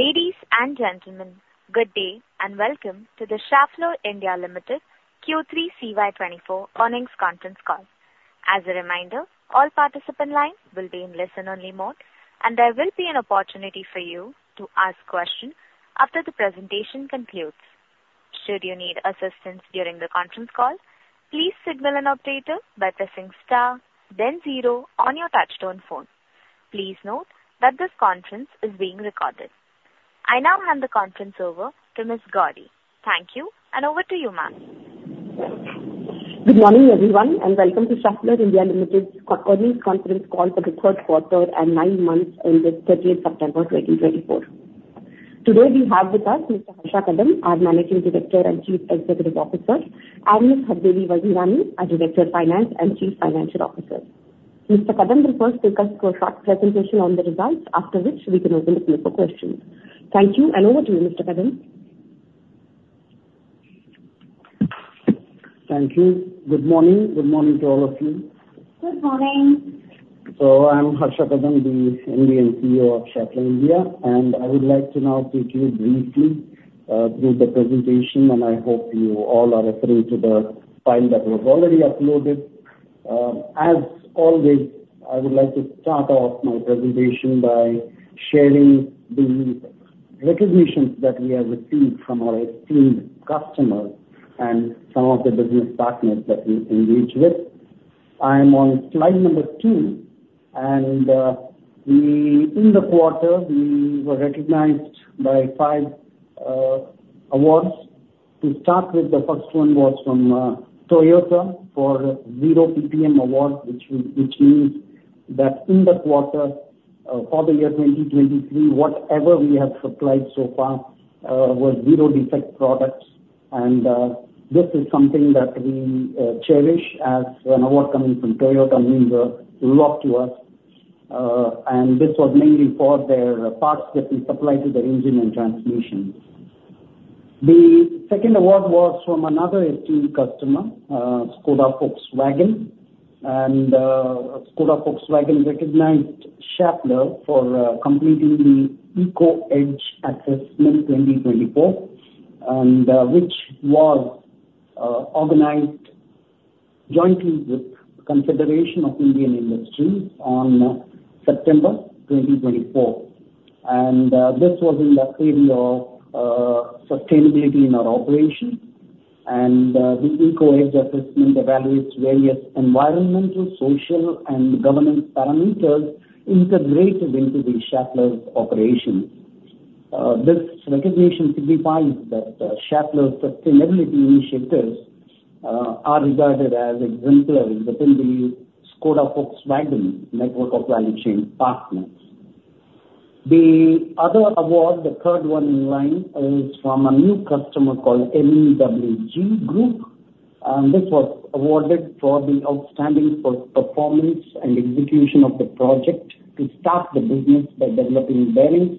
Ladies and gentlemen, good day, and welcome to the Schaeffler India Limited Q3 CY '24 earnings conference call. As a reminder, all participant lines will be in listen-only mode, and there will be an opportunity for you to ask questions after the presentation concludes. Should you need assistance during the conference call, please signal an operator by pressing star then zero on your touchtone phone. Please note that this conference is being recorded. I now hand the conference over to Ms. Gauri Gawde. Thank you, and over to you, ma'am. Good morning, everyone, and welcome to Schaeffler India Limited's Q3 earnings conference call for the third quarter and nine months ended 30 September, 2024. Today, we have with us Mr. Harsha Kadam, our Managing Director and Chief Executive Officer, and Ms. Hardevi Vazirani, our Director of Finance and Chief Financial Officer. Mr. Kadam will first take us through a short presentation on the results, after which we can open the floor for questions. Thank you, and over to you, Mr. Kadam. Thank you. Good morning. Good morning to all of you. Good morning. I'm Harsha Kadam, the Indian CEO of Schaeffler India, and I would like to now take you briefly through the presentation, and I hope you all are referring to the file that was already uploaded. As always, I would like to start off my presentation by sharing the recognitions that we have received from our esteemed customers and some of the business partners that we engage with. I am on slide number two, and in the quarter, we were recognized by five awards. To start with, the first one was from Toyota for Zero PPM award, which means that in that quarter, for the year 2023, whatever we have supplied so far was zero defect products. This is something that we cherish as an award coming from Toyota means a lot to us, and this was mainly for their parts that we supply to their engine and transmission. The second award was from another esteemed customer, ŠKODA Volkswagen, and ŠKODA Volkswagen recognized Schaeffler for completing the Eco Edge Assessment 2024, which was organized jointly with Confederation of Indian Industry on September 2024. This was in the area of sustainability in our operation. This EcoEdge assessment evaluates various environmental, social, and governance parameters integrated into the Schaeffler's operation. This recognition signifies that Schaeffler's sustainability initiatives are regarded as exemplary within the ŠKODA Volkswagen network of value chain partners. The other award, the third one in line, is from a new customer called Elin Motoren, and this was awarded for the outstanding performance and execution of the project to start the business by developing bearings,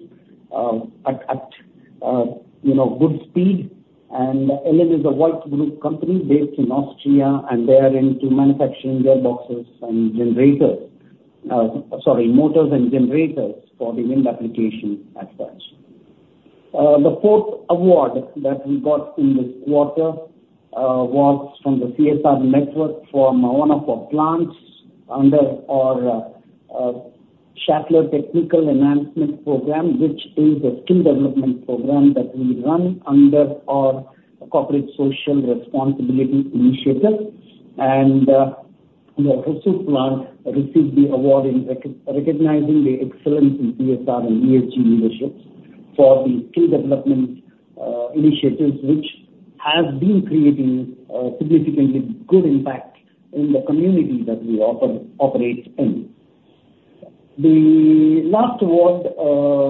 you know, at good speed. And it is a Volk group company based in Austria, and they are into manufacturing gearboxes and generators, sorry, motors and generators for the wind application as such. The fourth award that we got in this quarter was from the CSR network for one of our plants under our Schaeffler Technical Enhancement Program, which is a skill development program that we run under our corporate social responsibility initiatives. The Hosur plant received the award in recognizing the excellence in CSR and ESG leadership for the skill development initiatives, which has been creating a significantly good impact in the community that we operate in. The last award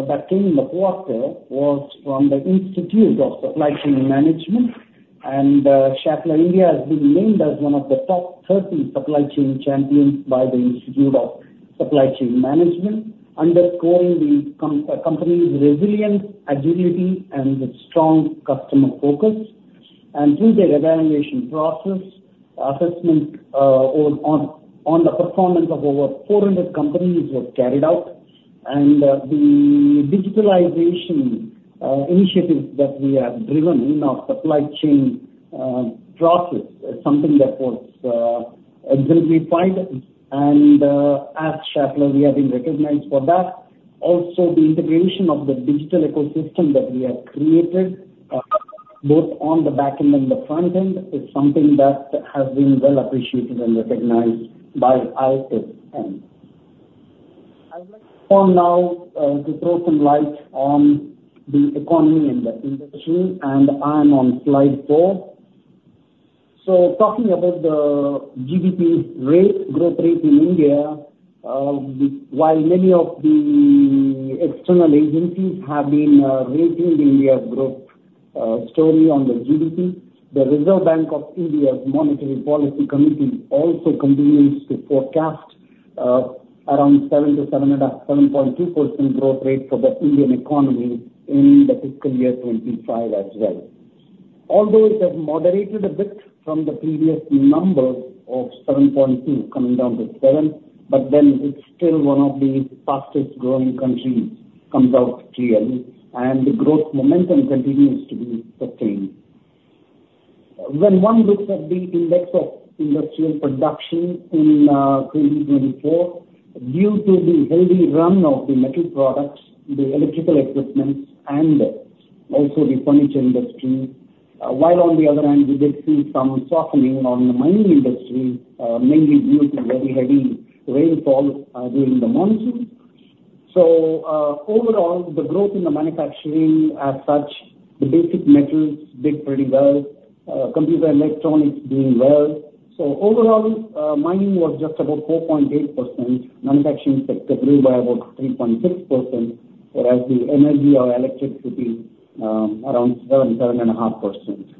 that came in the quarter was from the Institute of Supply Chain Management, and Schaeffler India has been named as one of the top 30 supply chain champions by the Institute of Supply Chain Management, underscoring the company's resilience, agility, and its strong customer focus. Through their evaluation process, assessment on the performance of over 400 companies was carried out, and the digitalization initiatives that we have driven in our supply chain process is something that was arguably pointed. As Schaeffler, we have been recognized for that. Also, the integration of the digital ecosystem that we have created, both on the back end and the front end, is something that has been well appreciated and recognized by ISM. I'd like for now to throw some light on the economy and the industry, and I'm on slide four. Talking about the GDP rate, growth rate in India, the... While many of these external agencies have been raising India's growth story on the GDP, the Reserve Bank of India's Monetary Policy Committee also continues to forecast around 7-7.2% growth rate for the Indian economy in the fiscal year 2025 as well. Although it has moderated a bit from the previous number of 7.2 coming down to 7, but then it's still one of the fastest growing countries, comes out clearly, and the growth momentum continues to be sustained. When one looks at the Index of Industrial Production in 2024, due to the healthy run of the metal products, the electrical equipments and also the furniture industry, while on the other hand, we did see some softening on the mining industry, mainly due to very heavy rainfall during the monsoon. So, overall, the growth in the manufacturing as such, the basic metals did pretty well, computer and electronics doing well. So overall, mining was just about 4.8%, manufacturing sector grew by about 3.6%, whereas the energy or electricity, around 7-7.5%.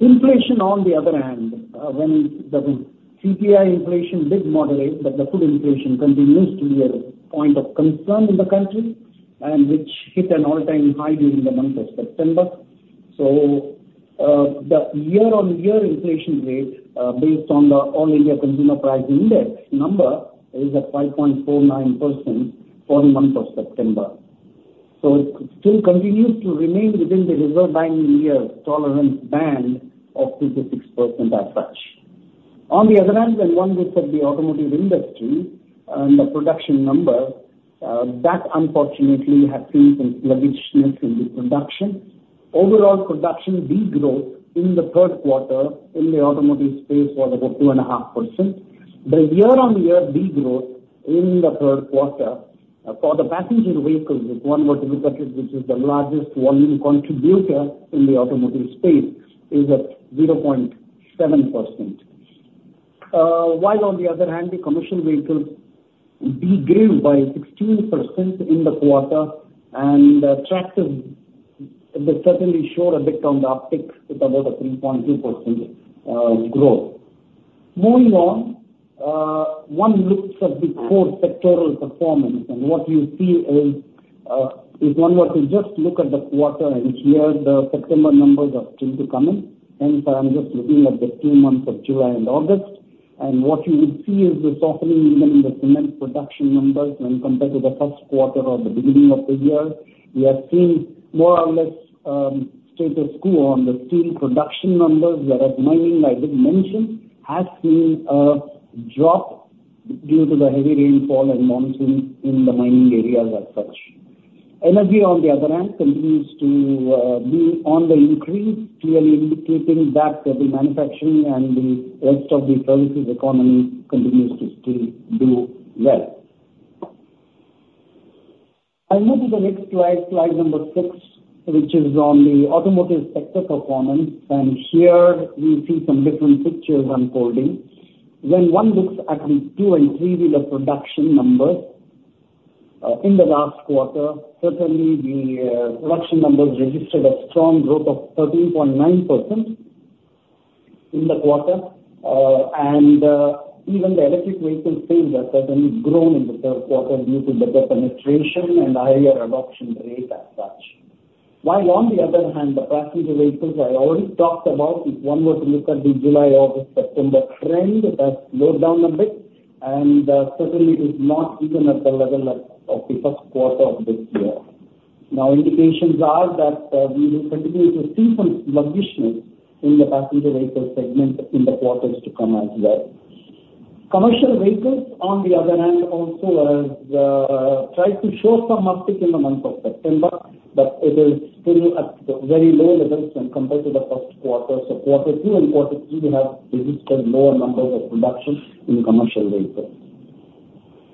Inflation, on the other hand, when the CPI inflation did moderate, but the food inflation continues to be a point of concern in the country, and which hit an all-time high during the month of September. So, the year-on-year inflation rate, based on the all-India Consumer Price Index number, is at 5.49% for the month of September. So it still continues to remain within the Reserve Bank of India's tolerance band of 2%-6% as such. On the other hand, when one looks at the automotive industry and the production number, that unfortunately has seen some sluggishness in the production. Overall production degrowth in the third quarter in the automotive space was about 2.5%. The year-on-year degrowth in the third quarter for the passenger vehicles, if one were to look at it, which is the largest volume contributor in the automotive space, is at 0.7%. While on the other hand, the commercial vehicles declined by 16% in the quarter, and tractors, they certainly showed a bit on the uptick with about a 3.2% growth. Moving on, one looks at the core sectoral performance, and what you see is if one were to just look at the quarter, and here the September numbers are still to come in, hence I'm just looking at the two months of July and August, and what you would see is the softening even in the cement production numbers when compared to the first quarter or the beginning of the year. We have seen more or less status quo on the steel production numbers, whereas mining, I did mention, has seen a drop due to the heavy rainfall and monsoon in the mining areas as such. Energy, on the other hand, continues to be on the increase, clearly indicating that the manufacturing and the rest of the services economy continues to still do well. I move to the next slide, slide number six, which is on the automotive sector performance, and here we see some different pictures unfolding. When one looks at the two and three-wheeler production numbers in the last quarter, certainly the production numbers registered a strong growth of 13.9% in the quarter, and even the electric vehicles sales have certainly grown in the third quarter due to better penetration and higher adoption rate as such. While on the other hand, the passenger vehicles I already talked about, if one were to look at the July, August, September trend, it has slowed down a bit, and certainly it is not even at the level of the first quarter of this year. Now, indications are that we will continue to see some sluggishness in the passenger vehicle segment in the quarters to come as well. Commercial vehicles, on the other hand, also tried to show some uptick in the month of September, but it is still at the very low levels when compared to the first quarters of quarter two and quarter three. We have registered lower numbers of production in commercial vehicles.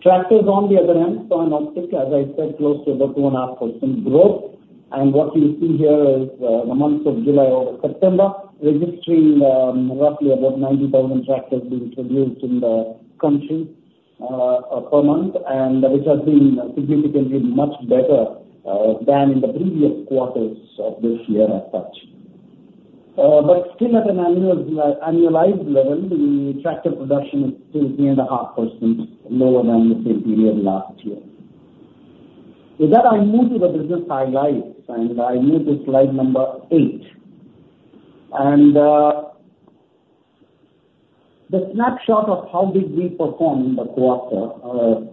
Tractors on the other hand, saw an uptick, as I said, close to about 2.5% growth. What you see here is, the months of July over September, registering, roughly about 90,000 tractors being produced in the country, per month, and which has been significantly much better, than in the previous quarters of this year as such. Still at an annual, annualized level, the tractor production is still 3.5% lower than the same period last year. With that, I move to the business highlights, and I move to slide number 8. The snapshot of how did we perform in the quarter,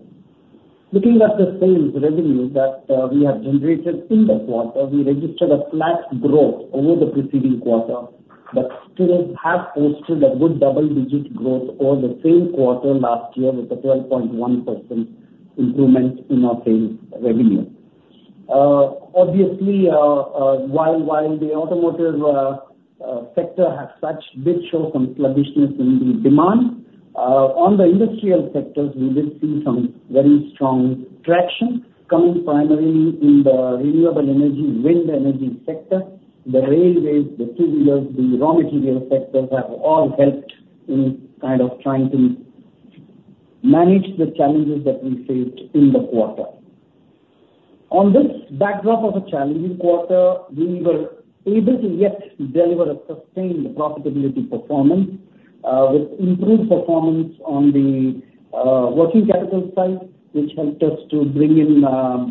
looking at the sales revenue that, we have generated in the quarter, we registered a flat growth over the preceding quarter, but still have posted a good double-digit growth over the same quarter last year, with a 12.1% improvement in our sales revenue. Obviously, while the automotive sector did show some sluggishness in the demand, on the industrial sectors, we did see some very strong traction coming primarily in the renewable energy, wind energy sector, the railways, the two-wheelers, the raw material sectors have all helped in kind of trying to manage the challenges that we faced in the quarter. On this backdrop of a challenging quarter, we were able to yet deliver a sustained profitability performance with improved performance on the working capital side, which helped us to bring in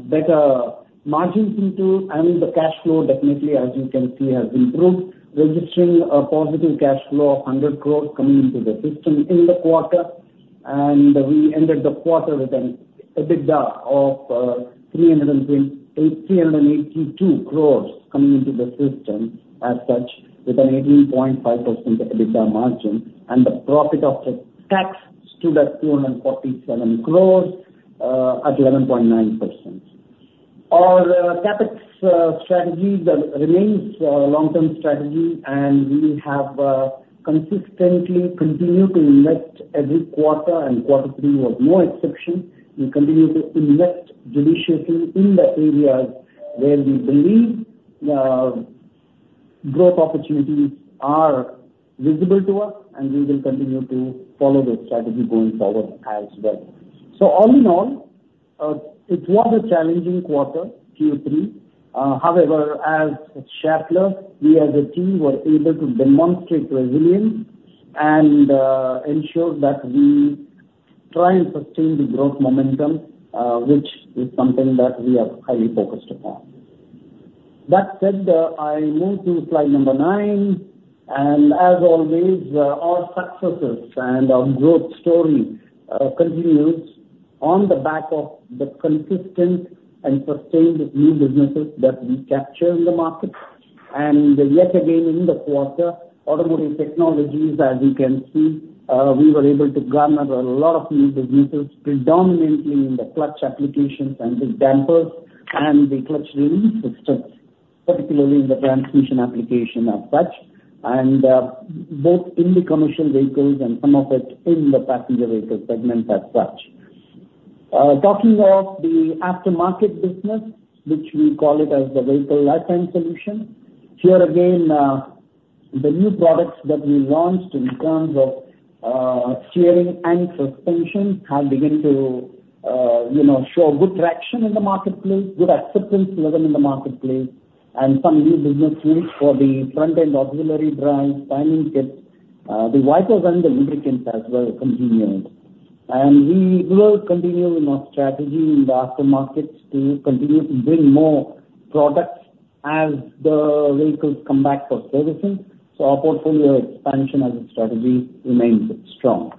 better margins into, and the cash flow definitely, as you can see, has improved, registering a positive cash flow of 100 crores coming into the system in the quarter. And we ended the quarter with an EBITDA of 382 crores coming into the system as such, with an 18.5% EBITDA margin, and the profit after tax stood at 247 crores at 11.9%. Our CapEx strategy remains a long-term strategy, and we have consistently continued to invest every quarter, and quarter three was no exception. We continue to invest judiciously in the areas where we believe growth opportunities are visible to us, and we will continue to follow that strategy going forward as well. So all in all, it was a challenging quarter, Q3. However, as Schaeffler, we as a team were able to demonstrate resilience and ensure that we try and sustain the growth momentum, which is something that we are highly focused upon. That said, I move to slide number nine, and as always, our successes and our growth story continues on the back of the consistent and sustained new businesses that we capture in the market. And yet again, in the quarter, Automotive Technologies, as you can see, we were able to garner a lot of new businesses, predominantly in the clutch applications and the dampers and the clutch release systems, particularly in the transmission application as such, and both in the commercial vehicles and some of it in the passenger vehicle segment as such. Talking of the aftermarket business, which we call it as the vehicle lifetime solution, here again, the new products that we launched in terms of steering and suspension have begun to, you know, show good traction in the marketplace, good acceptance level in the marketplace, and some new business wins for the front-end auxiliary drive timing kits. The wipers and the lubricants as well continued, and we will continue with our strategy in the aftermarkets to continue to bring more products as the vehicles come back for servicing, so our portfolio expansion as a strategy remains strong.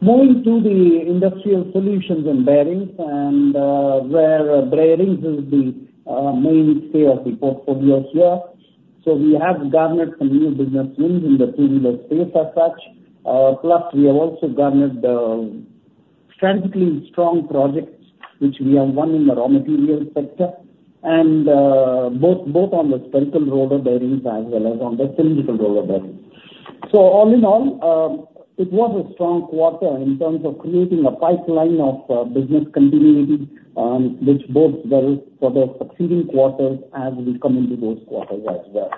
Moving to the industrial solutions and bearings, where bearings is the mainstay of the portfolio here. So we have garnered some new business wins in the two-wheeler space as such. Plus, we have also garnered strategically strong projects, which we have won in the raw material sector, and both, both on the spherical roller bearings as well as on the cylindrical roller bearings. So all in all, it was a strong quarter in terms of creating a pipeline of business continuity, which bodes well for the succeeding quarters as we come into those quarters as well.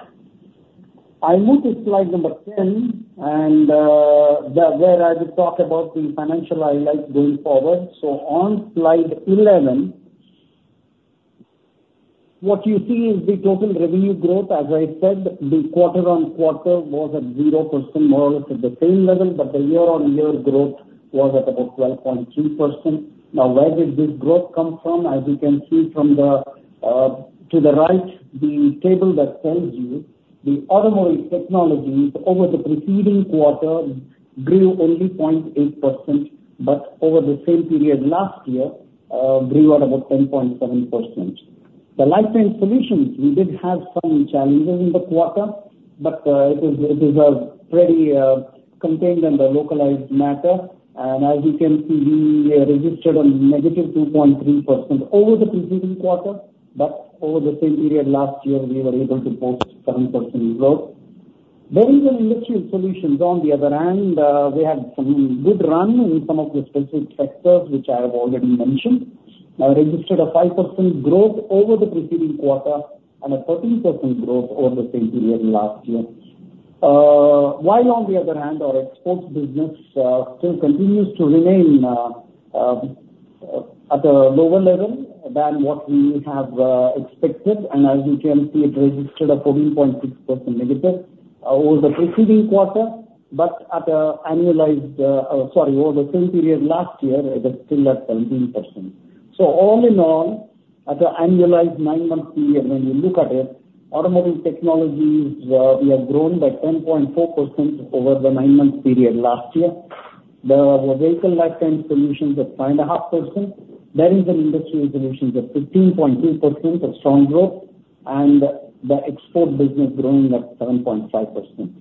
I move to slide number 10, and there, where I will talk about the financial highlights going forward. So on slide 11, what you see is the total revenue growth. As I said, the quarter on quarter was at 0%, more or less at the same level, but the year on year growth was at about 12.2%. Now, where did this growth come from? As you can see from the to the right, the table that tells you the Automotive Technologies over the preceding quarter grew only 0.8%, but over the same period last year grew at about 10.7%. The lifetime solutions, we did have some challenges in the quarter, but it is a pretty contained and a localized matter. As you can see, we registered a negative 2.3% over the preceding quarter, but over the same period last year, we were able to post 7% growth. Bearings and Industrial Solutions on the other hand, we had some good run in some of the specific sectors, which I have already mentioned, registered a 5% growth over the preceding quarter and a 13% growth over the same period last year. While on the other hand, our exports business still continues to remain at a lower level than what we have expected. And as you can see, it registered a 14.6% negative over the preceding quarter, but at a annualized, sorry, over the same period last year, it is still at 17%. So all in all, at an annualized nine-month period, when you look at it, Automotive Technologies, we have grown by 10.4% over the nine-month period last year. The Vehicle Lifetime Solutions at 5.5%. Bearings and Industrial Solutions at 15.2%, a strong growth, and the export business growing at 7.5%.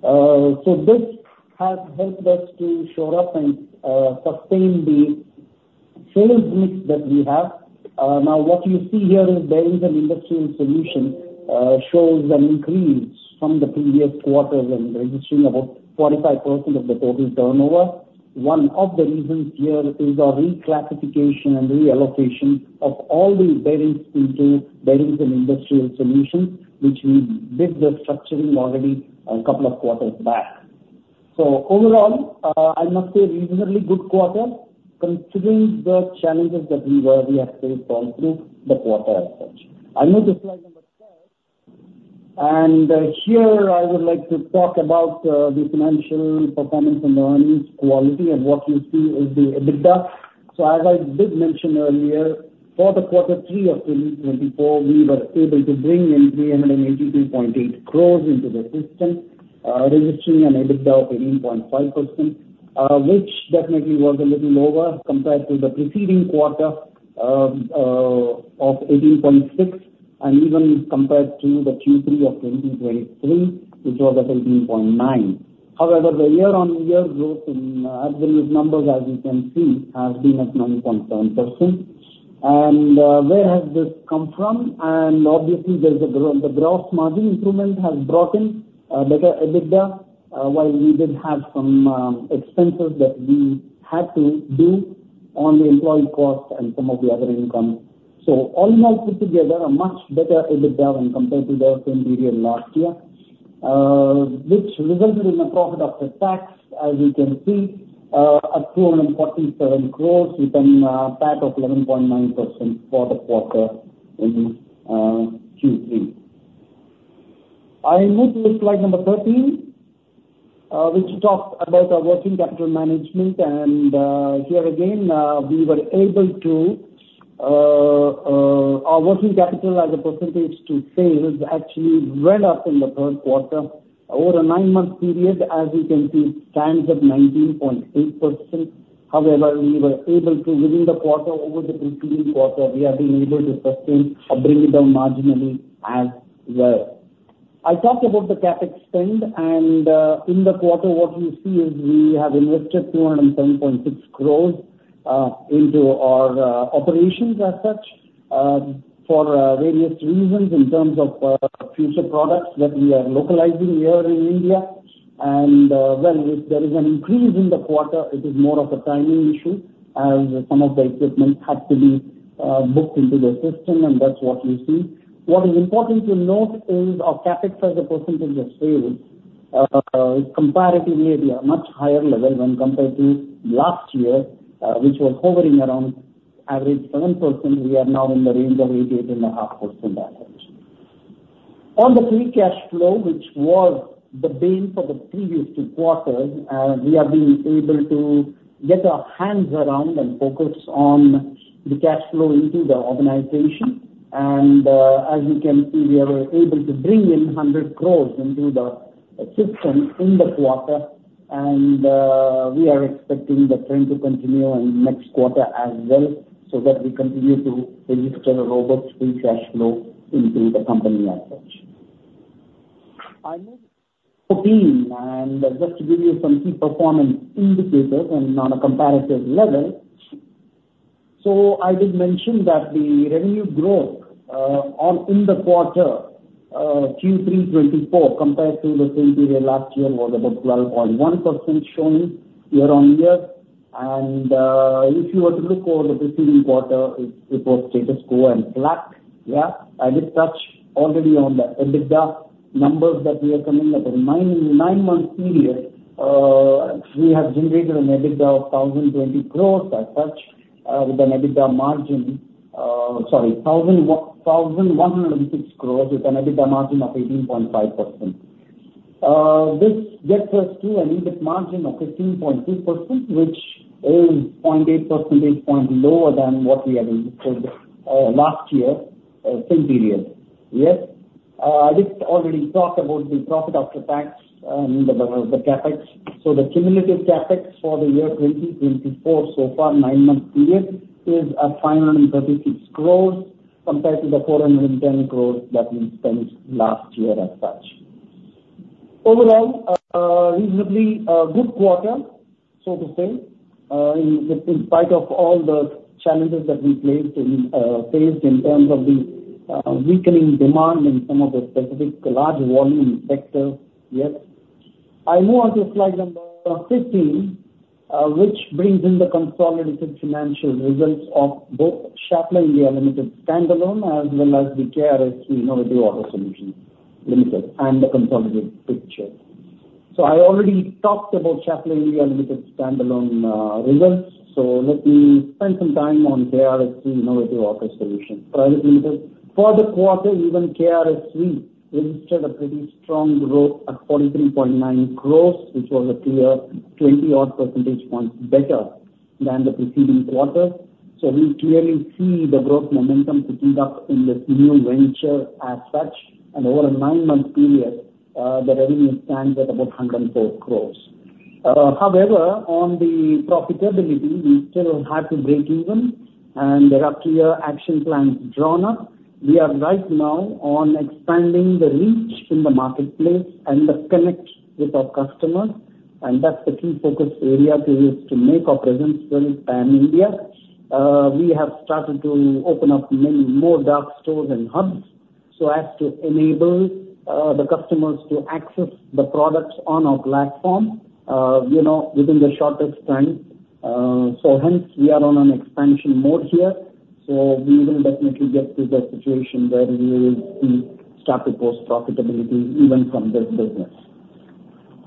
So this has helped us to shore up and sustain the sales mix that we have. Now, what you see here is Bearings and Industrial Solutions, shows an increase from the previous quarters and registering about 45% of the total turnover. One of the reasons here is our reclassification and reallocation of all the bearings into Bearings and Industrial Solutions, which we did the structuring already a couple of quarters back. So overall, I must say reasonably good quarter considering the challenges that we were, we actually gone through the quarter as such. I move to slide number 12, and here I would like to talk about the financial performance and earnings quality, and what you see is the EBITDA. As I did mention earlier, for the quarter three of twenty twenty-four, we were able to bring in 382.8 crores into the system, registering an EBITDA of 18.5%, which definitely was a little lower compared to the preceding quarter of 18.6%, and even compared to the Q3 of twenty twenty-three, which was at 18.9%. However, the year-on-year growth in absolute numbers, as you can see, has been at 9.7%. And, where has this come from? And obviously, there's a the gross margin improvement has brought in, better EBITDA, while we did have some expenses that we had to do on the employee cost and some of the other income. So all that put together, a much better EBITDA when compared to the same period last year, which resulted in a profit after tax, as you can see, at 247 crores with an PAT of 11.9% for the quarter in Q3. I move to slide number 13, which talks about our working capital management. And, here again, our working capital as a percentage to sales actually went up in the third quarter. Over a nine-month period, as you can see, it stands at 19.8%. However, we were able to, within the quarter, over the preceding quarter, we have been able to sustain or bring it down marginally as well. I talked about the CapEx spend, and in the quarter, what you see is we have invested 210.6 crores into our operations, as such, for various reasons in terms of future products that we are localizing here in India, and well, if there is an increase in the quarter, it is more of a timing issue, as some of the equipment had to be booked into the system, and that's what you see. What is important to note is our CapEx as a percentage of sales is comparatively at a much higher level when compared to last year, which was hovering around average 7%. We are now in the range of 8-8.5% as such. On the free cash flow, which was the bane for the previous two quarters, we have been able to get our hands around and focus on the cash flow into the organization, and as you can see, we are able to bring in 100 crores into the system in the quarter, and we are expecting the trend to continue in next quarter as well, so that we continue to register a robust free cash flow into the company as such. I move to 14, and just to give you some key performance indicators and on a comparative level. So I did mention that the revenue growth, on in the quarter, Q3 2024, compared to the same period last year, was about 12.1% shown year-on-year. If you were to look over the preceding quarter, it was status quo and flat, yeah. I did touch already on the EBITDA numbers that we are coming at. The nine-month period, we have generated an EBITDA of 1,020 crores as such, with an EBITDA margin. Sorry, 1,106 crores, with an EBITDA margin of 18.5%. This gets us to an EBIT margin of 15.2%, which is 0.8 percentage point lower than what we had recorded, last year, same period. Yes. I just already talked about the profit after tax and the CapEx. The cumulative CapEx for the year 2024 so far, nine-month period, is at 536 crores, compared to the 410 crores that we spent last year as such. Overall, reasonably, a good quarter, so to say, in spite of all the challenges that we faced in terms of the weakening demand in some of the specific large volume sectors. Yes. I move on to slide number 15, which brings in the consolidated financial results of both Schaeffler India Limited standalone as well as the KRSV Innovative Auto Solutions Private Limited and the consolidated picture. So I already talked about Schaeffler India Limited standalone results, so let me spend some time on KRSV Innovative Auto Solutions Private Limited. For the quarter, even KRSV registered a pretty strong growth at 43.9 crores, which was a clear 20-odd percentage points better than the preceding quarter. So we clearly see the growth momentum picking up in this new venture as such, and over a nine-month period, the revenue stands at about 104 crores. However, on the profitability, we still have to break even, and there are clear action plans drawn up. We are right now on expanding the reach in the marketplace and the connect with our customers, and that's the key focus area to make our presence felt pan-India. We have started to open up many more dark stores and hubs so as to enable the customers to access the products on our platform, you know, within the shortest time. Hence we are on an expansion mode here, so we will definitely get to that situation where we will see start to post profitability even from this business.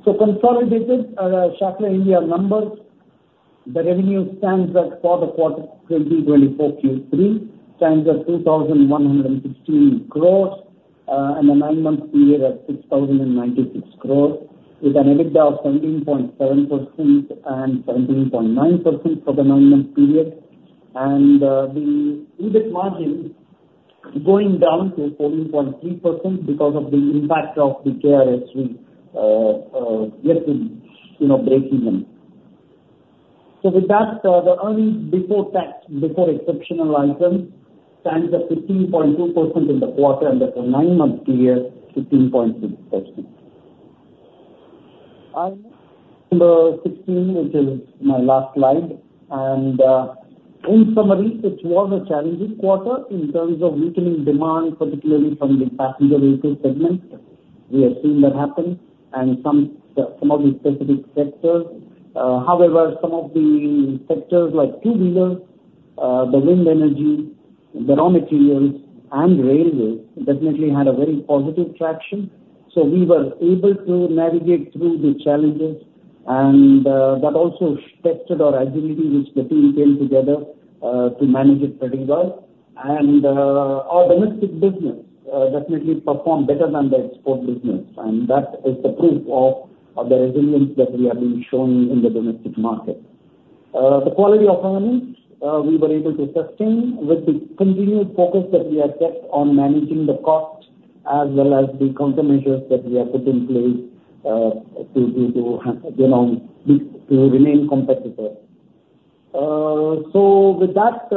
So consolidated Schaeffler India numbers, the revenue stands at for the quarter 2024 Q3, stands at INR 2,116 crores, and the nine-month period at 6,096 crores, with an EBITDA of 17.7% and 17.9% for the nine-month period. And the EBIT margin going down to 14.3% because of the impact of the KRSV, you know, breaking in. So with that, the earnings before tax, before exceptional items, stands at 15.2% in the quarter, and for the nine-month period, 16.6%. Slide number sixteen, which is my last slide, and in summary, it was a challenging quarter in terms of weakening demand, particularly from the passenger vehicle segment. We have seen that happen in some of the specific sectors. However, some of the sectors like two-wheeler, the wind energy, the raw materials, and railways, definitely had a very positive traction. So we were able to navigate through the challenges, and that also tested our agility, which the team came together to manage it pretty well. Our domestic business definitely performed better than the export business, and that is the proof of the resilience that we have been showing in the domestic market. The quality of earnings we were able to sustain with the continued focus that we have kept on managing the cost as well as the countermeasures that we have put in place, to you know to remain competitive, so with that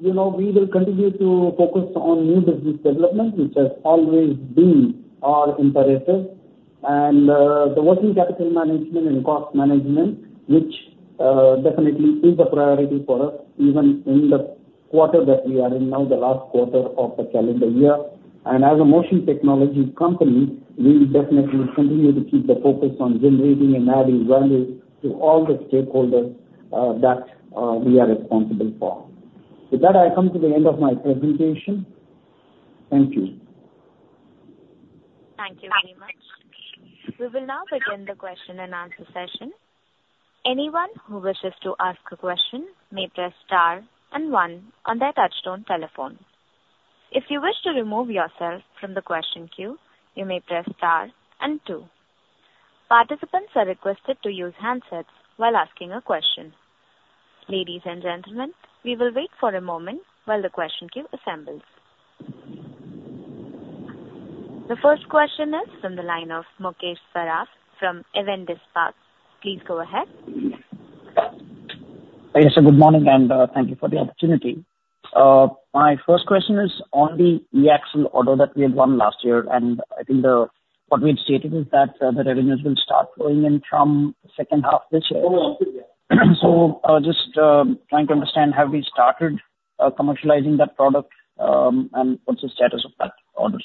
you know we will continue to focus on new business development, which has always been our imperative, and the working capital management and cost management which definitely is a priority for us, even in the quarter that we are in now, the last quarter of the calendar year, and as a motion technology company, we will definitely continue to keep the focus on generating and adding value to all the stakeholders that we are responsible for. With that, I come to the end of my presentation. Thank you. Thank you very much. We will now begin the question and answer session. Anyone who wishes to ask a question may press star and one on their touchtone telephone. If you wish to remove yourself from the question queue, you may press star and two. Participants are requested to use handsets while asking a question. Ladies and gentlemen, we will wait for a moment while the question queue assembles. The first question is from the line of Mukesh Saraf from Avendus Spark. Please go ahead. Yes, sir, good morning, and thank you for the opportunity. My first question is on the e-axle order that we had won last year, and I think what we had stated is that the revenues will start flowing in from the second half of this year. So, just trying to understand, have we started commercializing that product? And what's the status of that order?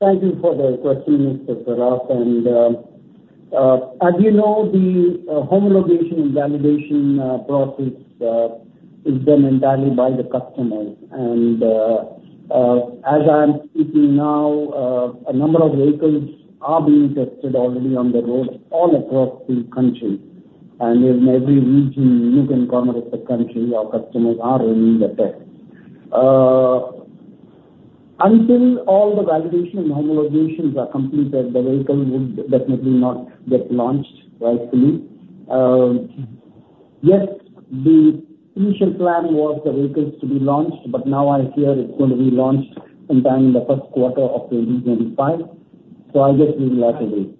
Thank you for the question, Mr. Saraf. As you know, the homologation and validation process is done entirely by the customers. As I'm speaking now, a number of vehicles are being tested already on the road all across the country. In every region you can cover the country, our customers are doing the test. Until all the validation and homologations are completed, the vehicle would definitely not get launched, rightfully. Yes, the initial plan was the vehicles to be launched, but now I hear it's going to be launched sometime in the first quarter of 2025. I'll just leave it like that.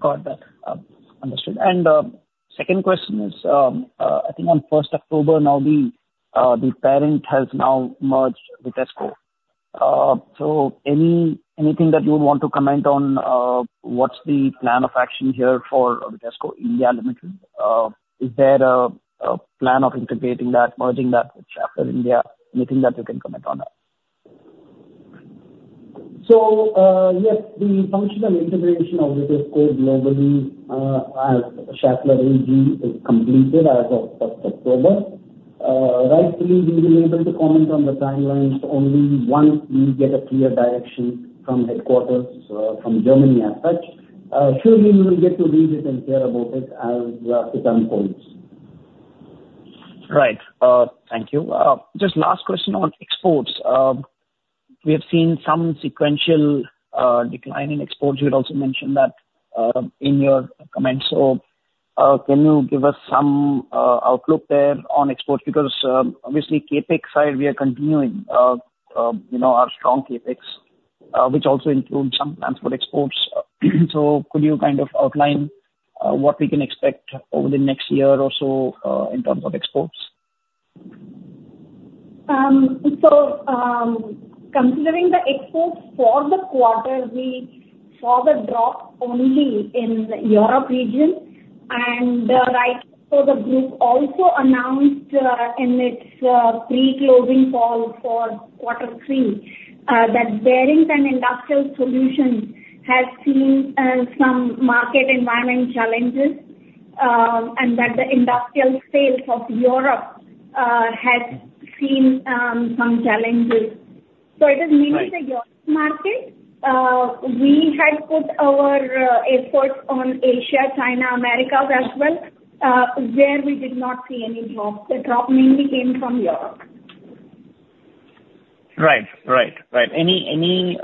Got that. Understood. And second question is, I think on first October now, the parent has now merged Vitesco. So anything that you would want to comment on, what's the plan of action here for Vitesco India Limited? Is there a plan of integrating that, merging that with Schaeffler India? Anything that you can comment on that? Yes, the functional integration of Vitesco globally, as Schaeffler AG, is completed as of first October. Rightfully, we will be able to comment on the timelines only once we get a clear direction from headquarters, from Germany as such. Surely, we will get to read it and hear about it as the time comes. Right. Thank you. Just last question on exports. We have seen some sequential decline in exports. You had also mentioned that in your comments. So, can you give us some outlook there on exports? Because, obviously, CapEx side, we are continuing, you know, our strong CapEx, which also includes some plans for exports. So could you kind of outline what we can expect over the next year or so in terms of exports? So, considering the exports for the quarter, we saw the drop only in the Europe region. And, right, so the group also announced, in its pre-closing call for quarter three, that Bearings and Industrial Solutions have seen some market environment challenges, and that the industrial sales of Europe has seen some challenges. So it is mainly- Right. The Europe market. We had put our efforts on Asia, China, Americas as well, where we did not see any drop. The drop mainly came from Europe. Right. Any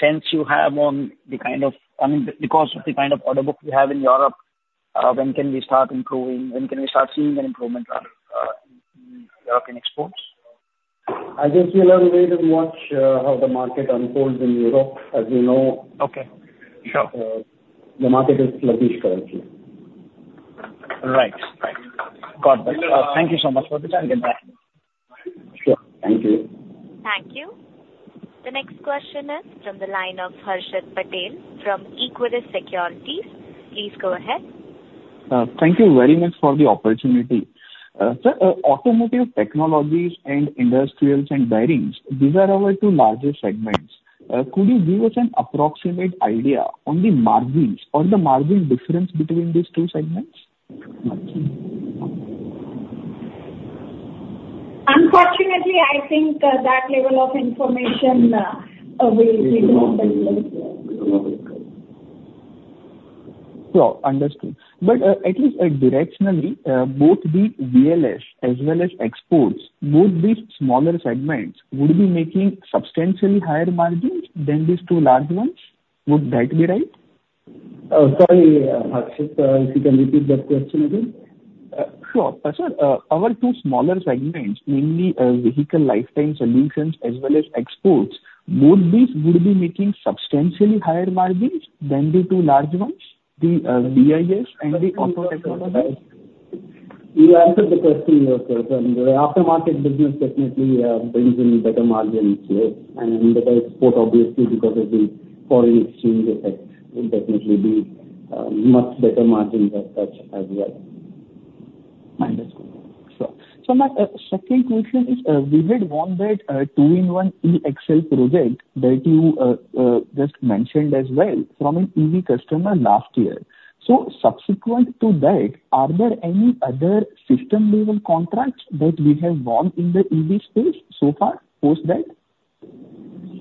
sense you have on the kind of, I mean, because of the kind of order book you have in Europe, when can we start improving? When can we start seeing an improvement in European exports? I guess we'll have to wait and watch how the market unfolds in Europe. As you know- Okay. Sure. The market is sluggish currently. Right. Right. Got that. So, uh- Thank you so much for the time, and goodbye. Sure. Thank you. Thank you. The next question is from the line of Harshit Patel from Equirus Securities. Please go ahead. Thank you very much for the opportunity. Sir, Automotive Technologies, industrials, and bearings, these are our two largest segments. Could you give us an approximate idea on the margins or the margin difference between these two segments? Unfortunately, I think, that level of information, we do not disclose. Sure, understood, but at least, directionally, both the VLS as well as exports, would these smaller segments be making substantially higher margins than these two large ones? Would that be right? Sorry, Harshit, if you can repeat that question again. Sure. Sir, our two smaller segments, mainly, Vehicle Lifetime Solutions as well as exports, would these be making substantially higher margins than the two large ones, the VLS and the auto technologies? You answered the question yourself. And the aftermarket business definitely brings in better margins, yes. And in the export, obviously, because of the foreign exchange effect, will definitely be much better margins as such as well. Understood. So my second question is, we had won that two-in-one E-axle project that you just mentioned as well from an EV customer last year. So subsequent to that, are there any other system-level contracts that we have won in the EV space so far, post that?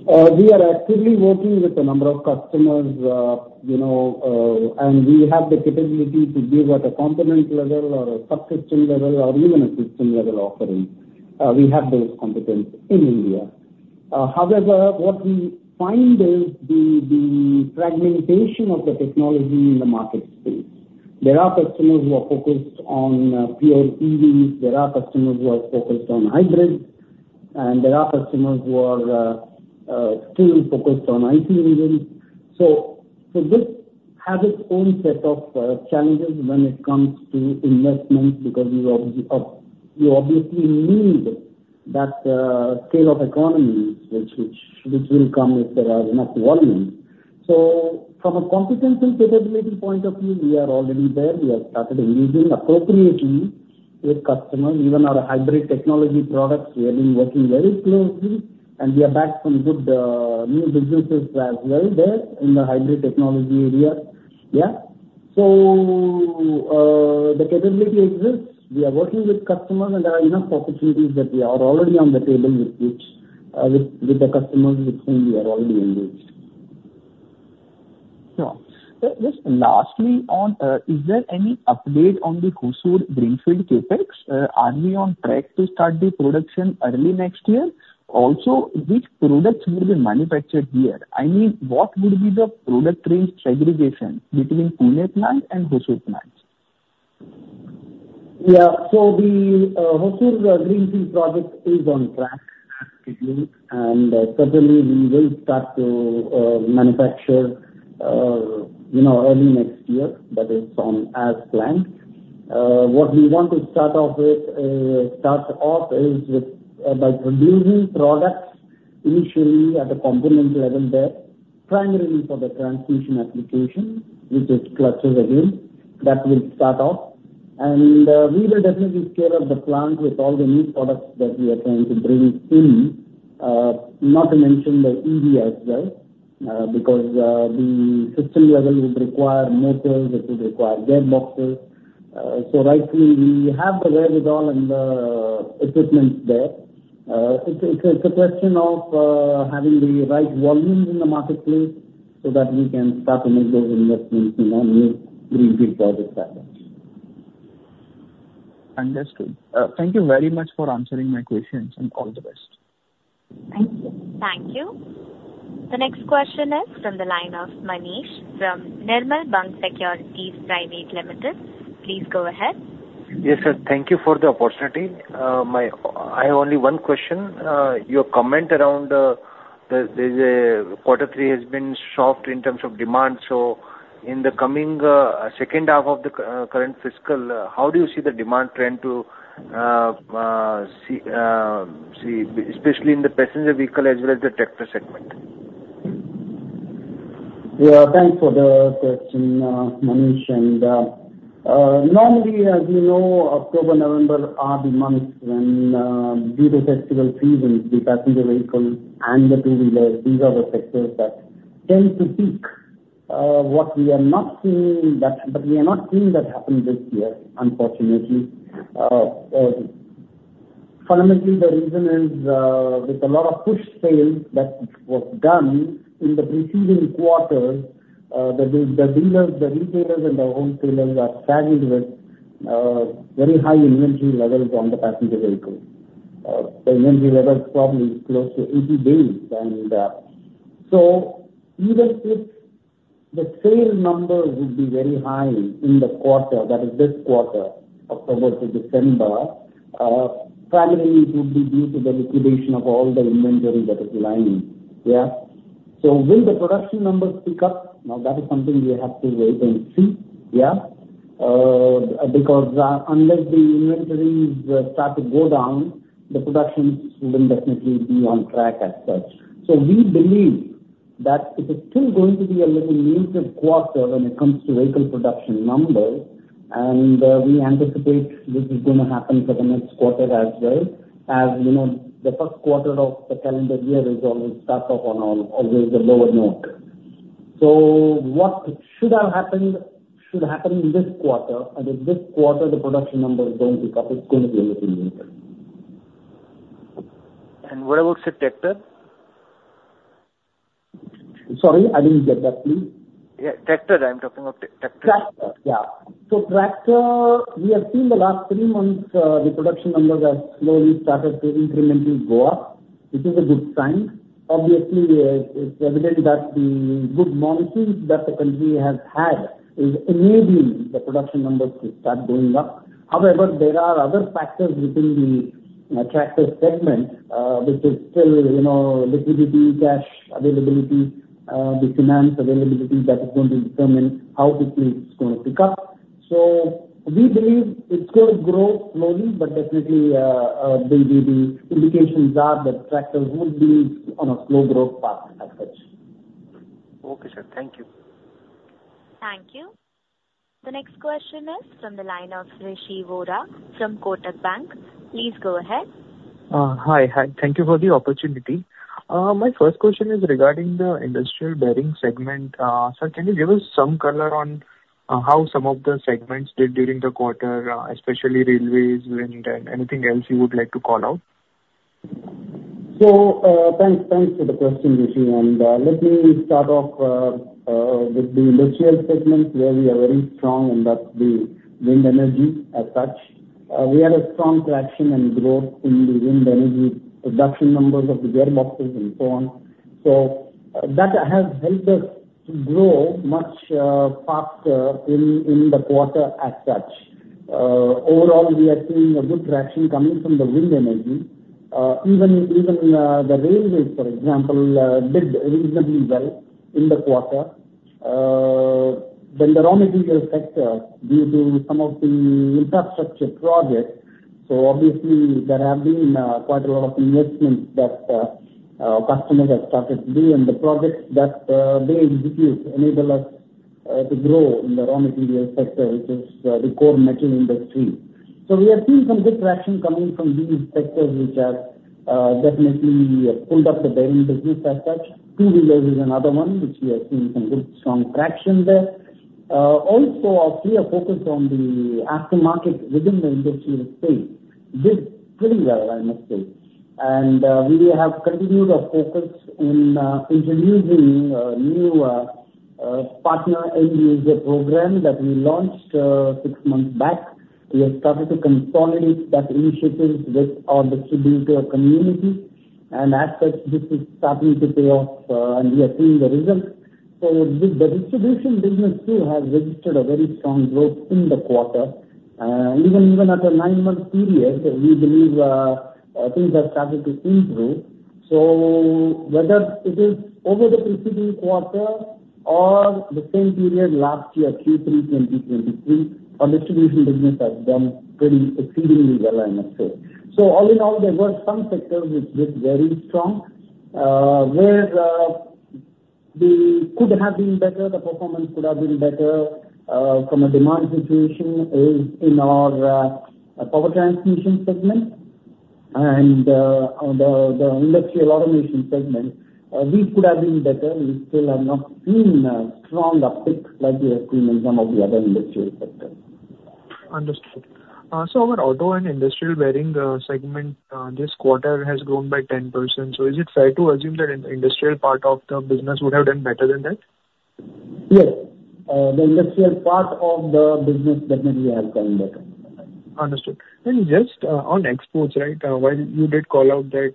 We are actively working with a number of customers, you know, and we have the capability to give at a component level or a subsystem level or even a system level offering. We have those competencies in India. However, what we find is the fragmentation of the technology in the market space. There are customers who are focused on pure EVs, there are customers who are focused on hybrids, and there are customers who are still focused on ICE engines. So this has its own set of challenges when it comes to investments, because you obviously need that scale of economies, which will come if there are enough volume. So from a competency capability point of view, we are already there. We have started engaging appropriately with customers. Even our hybrid technology products, we have been working very closely, and we have bagged some good, new businesses as well there in the hybrid technology area. Yeah, so the capability exists. We are working with customers, and there are enough opportunities that we are already on the table with which, with the customers with whom we are already engaged. Sure. Just lastly on, is there any update on the Hosur greenfield CapEx? Are we on track to start the production early next year? Also, which products will be manufactured here? I mean, what would be the product range segregation between Pune plant and Hosur plant? Yeah. So the Hosur greenfield project is on track, as scheduled, and certainly we will start to manufacture, you know, early next year. That is on as planned. What we want to start off with is by producing products initially at a component level there, primarily for the transmission application, which is clutches again, that will start off. And we will definitely scale up the plant with all the new products that we are trying to bring in, not to mention the EV as well, because the system level would require motors, it will require gearboxes. So rightly, we have the wherewithal and equipment there. It's a question of having the right volumes in the marketplace so that we can start to make those investments in our new greenfield project segment. Understood. Thank you very much for answering my questions, and all the best. Thank you. Thank you. The next question is from the line of Manish from Nirmal Bang Securities Private Limited. Please go ahead. Yes, sir, thank you for the opportunity. I have only one question. Your comment around the quarter three has been soft in terms of demand. So in the coming second half of the current fiscal, how do you see the demand trend to see, especially in the passenger vehicle as well as the tractor sector? Yeah, thanks for the question, Manish. And, normally, as you know, October, November are the months when, due to festival seasons, the passenger vehicles and the two-wheelers, these are the sectors that tend to peak. What we are not seeing but we are not seeing that happen this year, unfortunately. Fundamentally, the reason is, there's a lot of push sales that was done in the preceding quarter, the dealers, the retailers and the wholesalers are struggling with, very high inventory levels on the passenger vehicles. The inventory level is probably close to eighty days. And, so even if the sale numbers would be very high in the quarter, that is this quarter, October to December, probably it would be due to the liquidation of all the inventory that is lying, yeah? So will the production numbers pick up? Now, that is something we have to wait and see, yeah. Because, unless the inventories start to go down, the production wouldn't definitely be on track as such. So we believe that it is still going to be a little negative quarter when it comes to vehicle production numbers. And, we anticipate this is gonna happen for the next quarter as well. As you know, the first quarter of the calendar year is always a lower note. So what should have happened, should happen in this quarter, and if this quarter the production numbers don't pick up, it's going to be a little negative. What about the tractor? Sorry, I didn't get that, please. Yeah, tractors. I'm talking about tractors. Tractors, yeah. So tractors, we have seen the last three months, the production numbers have slowly started to incrementally go up, which is a good sign. Obviously, it's evident that the good monsoons that the country has had is enabling the production numbers to start going up. However, there are other factors within the tractor segment, which is still, you know, liquidity, cash availability, the finance availability that is going to determine how quickly it's going to pick up. So we believe it's going to grow slowly, but definitely, the indications are that tractors will be on a slow growth path as such. Okay, sir. Thank you. Thank you. The next question is from the line of Rishi Vora from Kotak Bank. Please go ahead. Hi. Hi, thank you for the opportunity. My first question is regarding the industrial bearing segment. So can you give us some color on how some of the segments did during the quarter, especially railways, wind, and anything else you would like to call out? Thanks for the question, Rishi. Let me start off with the industrial segment, where we are very strong, and that's the wind energy as such. We had a strong traction and growth in the wind energy production numbers of the gearboxes and so on. So that has helped us to grow much faster in the quarter as such. Overall, we are seeing a good traction coming from the wind energy. Even the railways, for example, did reasonably well in the quarter. Then the raw material sector, due to some of the infrastructure projects, so obviously there have been quite a lot of investments that customers have started to do. The projects that they execute enable us to grow in the raw material sector, which is the core metal industry. We are seeing some good traction coming from these sectors which have definitely pulled up the bearing business as such. Two-wheeler is another one which we are seeing some good strong traction there. Also, our clear focus on the aftermarket within the industrial space did pretty well, I must say. We have continued our focus in introducing a new partner program that we launched six months back. We have started to consolidate that initiative with our distributor community, and as such, this is starting to pay off, and we are seeing the results. The distribution business too has registered a very strong growth in the quarter. Even at a nine-month period, we believe things are starting to improve. So whether it is over the preceding quarter or the same period last year, Q3 2023, our distribution business has done pretty exceedingly well, I must say. So all in all, there were some sectors which did very strong. Where we could have been better, the performance could have been better from a demand situation, is in our power transmission segment and on the industrial automation segment. We could have been better. We still have not seen a strong uptick like we have seen in some of the other industrial sectors. Understood. So our auto and industrial bearing segment this quarter has grown by 10%. So is it fair to assume that industrial part of the business would have done better than that? Yes. The industrial part of the business definitely has done better. Understood. And just, on exports, right? While you did call out that,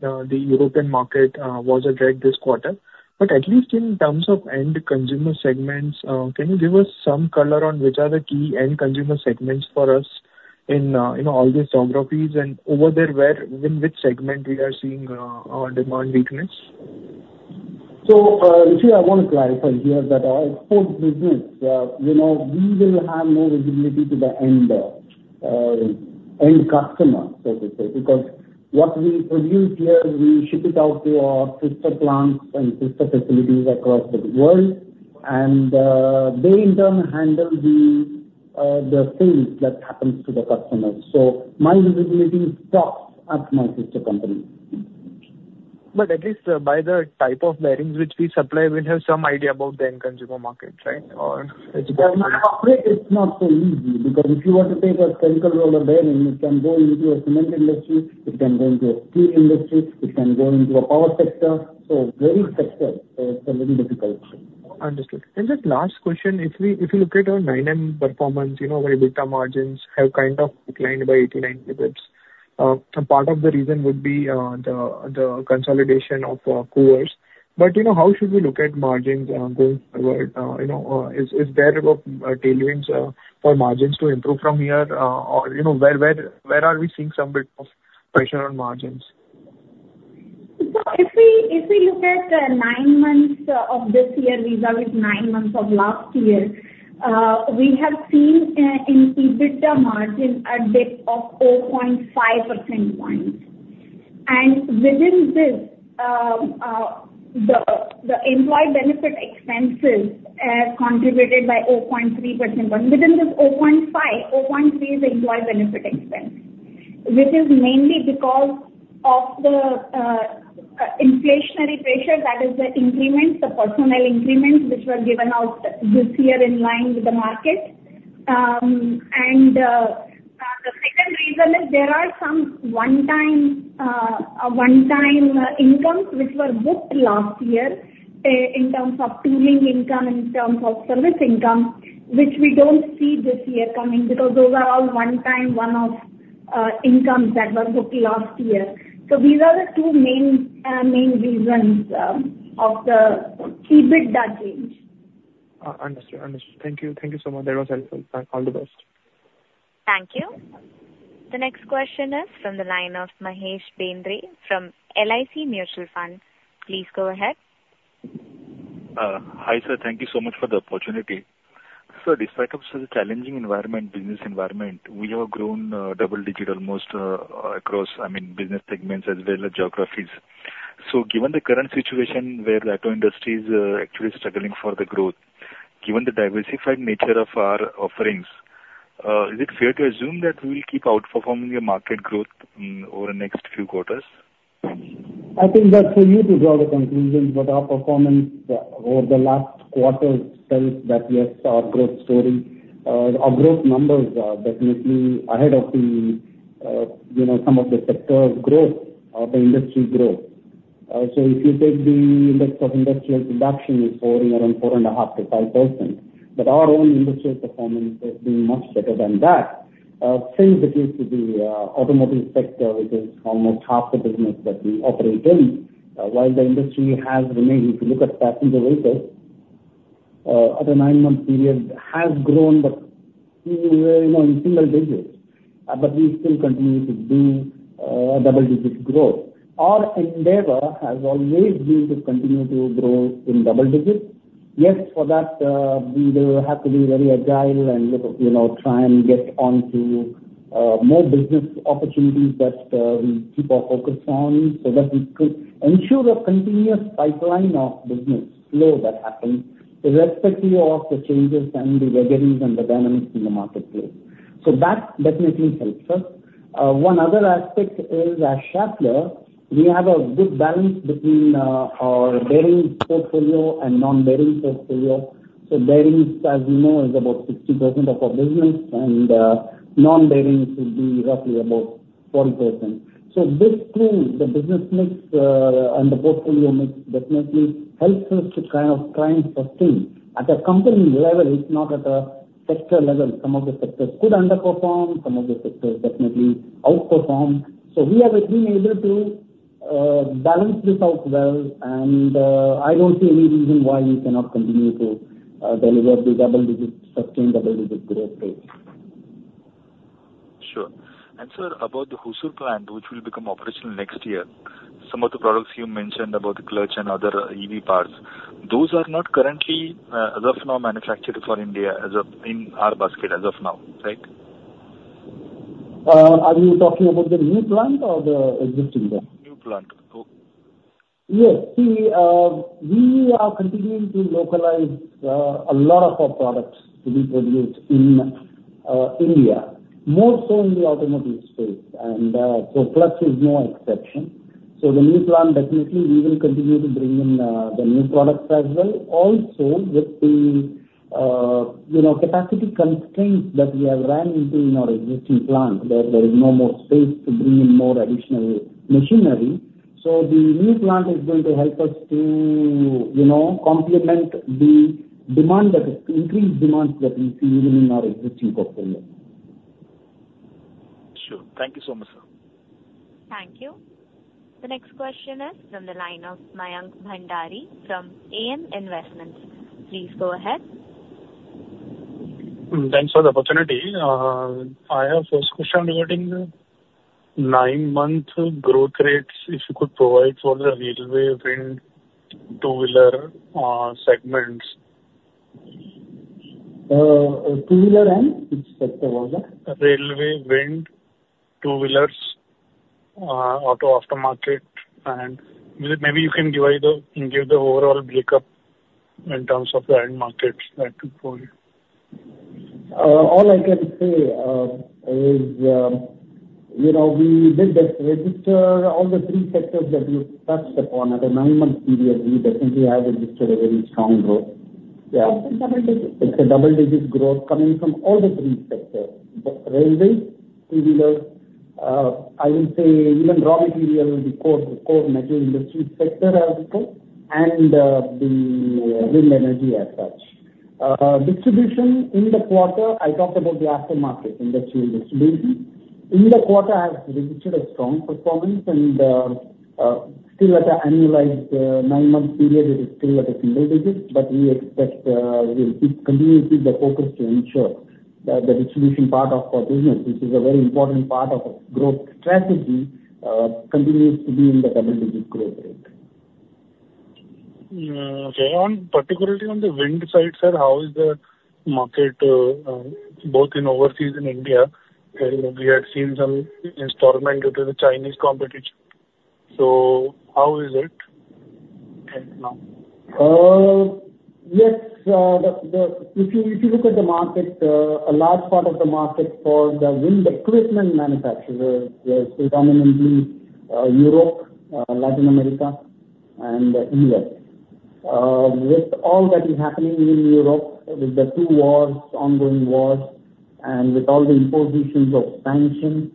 the European market was a drag this quarter, but at least in terms of end consumer segments, can you give us some color on which are the key end consumer segments for us in, in all these geographies? And over there, where, in which segment we are seeing, our demand weakness? So, Rishi, I won't clarify here that our export business, you know, we will have no visibility to the end customer, so to say, because what we produce here, we ship it out to our sister plants and sister facilities across the world, and they in turn handle the things that happens to the customers. So my visibility stops at my sister company. But at least by the type of bearings which we supply, we'll have some idea about the end consumer markets, right? Or It's not so easy, because if you were to take a spherical roller bearing, it can go into a cement industry, it can go into a steel industry, it can go into a power sector. So every sector, it's a little difficult. Understood. Just last question, if we, if you look at our nine-month performance, you know, where EBITDA margins have kind of declined by 80-90 basis points. Some part of the reason would be the consolidation of Koovers. But, you know, how should we look at margins going forward? You know, is there about tailwinds for margins to improve from here? Or, you know, where are we seeing some bit of pressure on margins? So if we look at nine months of this year versus nine months of last year, we have seen in EBITDA margin a dip of 0.5 percentage point, and within this, the employee benefit expenses contributed by 0.3 percentage point. Within this 0.5, 0.3 is the employee benefit expense. This is mainly because of the inflationary pressure, that is the increments, the personnel increments, which were given out this year in line with the market, and the second reason is there are some one-time incomes which were booked last year in terms of tooling income, in terms of service income, which we don't see this year coming, because those are all one-time, one-off incomes that were booked last year. So these are the two main reasons of the EBITDA change. Understood. Understood. Thank you. Thank you so much. That was helpful. Thank you. All the best. Thank you. The next question is from the line of Mahesh Bendre from LIC Mutual Fund. Please go ahead. Hi, sir. Thank you so much for the opportunity. Sir, despite of the challenging environment, business environment, we have grown double digit almost across. I mean, business segments as well as geographies. So given the current situation where the auto industry is actually struggling for the growth, given the diversified nature of our offerings, is it fair to assume that we will keep outperforming the market growth over the next few quarters? I think that's for you to draw the conclusion, but our performance over the last quarter tells that, yes, our growth story, our growth numbers are definitely ahead of the, you know, some of the sector's growth or the industry growth, so if you take the Index of Industrial Production is falling around 4.5%-5%, but our own industrial performance has been much better than that. Since it is the automotive sector, which is almost half the business that we operate in, while the industry has remained, if you look at passenger vehicles, at a nine-month period, has grown, but, you know, in single digits, but we still continue to do double-digit growth. Our endeavor has always been to continue to grow in double digits. Yes, for that, we will have to be very agile and look at, you know, try and get onto more business opportunities that we keep our focus on, so that we could ensure a continuous pipeline of business flow that happens irrespective of the changes and the vagaries and the dynamics in the marketplace. So that definitely helps us. One other aspect is, at Schaeffler, we have a good balance between our bearings portfolio and non-bearings portfolio. So bearings, as you know, is about 60% of our business, and non-bearings will be roughly about 40%. So this too, the business mix and the portfolio mix definitely helps us to kind of try and sustain. At a company level, it's not at a sector level. Some of the sectors could underperform, some of the sectors definitely outperform. So we have been able to balance this out well, and I don't see any reason why we cannot continue to deliver the double digits, sustain double-digit growth rate. Sure. And, sir, about the Hosur plant, which will become operational next year, some of the products you mentioned about the clutch and other EV parts, those are not currently, as of now, manufactured for India as of, in our basket as of now, right? Are you talking about the new plant or the existing plant? New plant. Yes. See, we are continuing to localize a lot of our products to be produced in India, more so in the automotive space, and so clutch is no exception. So the new plant, definitely we will continue to bring in the new products as well. Also, with the you know, capacity constraints that we have ran into in our existing plant, there is no more space to bring in more additional machinery. So the new plant is going to help us to you know, complement the demand that is, increased demands that we see even in our existing portfolio. Sure. Thank you so much, sir. Thank you. The next question is from the line of Mayank Bhandari from AM Investments. Please go ahead. Thanks for the opportunity. I have first question regarding nine-month growth rates, if you could provide for the railway, wind, two-wheeler, segments?... two-wheeler and which sector was that? Railway, wind, two-wheelers, auto aftermarket, and maybe you can give us the overall breakup in terms of the end markets that took for you. All I can say, you know, we did register all the three sectors that you touched upon. At the nine-month period, we definitely have registered a very strong growth. Yeah, double digits. It's a double-digit growth coming from all the three sectors, the railways, two-wheelers, I will say even raw material, the core metal industry sector as such, and the wind energy as such. Distribution in the quarter, I talked about the aftermarket industrial distribution. In the quarter, has registered a strong performance and still at an annualized nine-month period, it is still at a single digits, but we expect we'll keep continuing with the focus to ensure that the distribution part of our business, which is a very important part of growth strategy, continues to be in the double-digit growth rate. Okay. On, particularly on the wind side, sir, how is the market, both in overseas and India? And we had seen some imbalance due to the Chinese competition. So how is it ending now? If you look at the market, a large part of the market for the wind equipment manufacturers is predominantly Europe, Latin America and the U.S. With all that is happening in Europe, with the two wars, ongoing wars, and with all the impositions of sanctions,